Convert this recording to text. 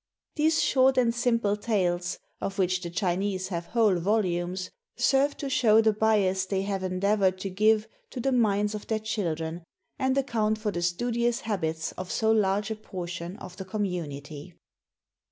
These short and simple tales, of which the Chinese have whole volumes, serve to show the bias they have endeavored to give to the minds of their children, and account for the studious habits of so large a portion of the community.